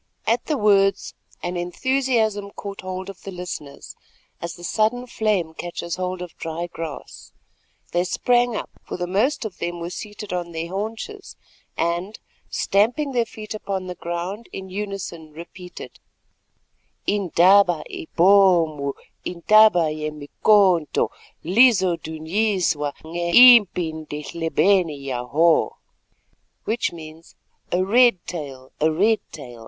At the words an enthusiasm caught hold of the listeners, as the sudden flame catches hold of dry grass. They sprang up, for the most of them were seated on their haunches, and stamping their feet upon the ground in unison, repeated:— Indaba ibomwu—indaba ye mikonto Lizo dunyiswa nge impi ndhlebeni yaho. (A red tale! A red tale!